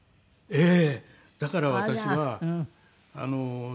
ええ。